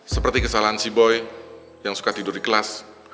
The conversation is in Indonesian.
seperti kesalahan si boy yang suka tidur di kelas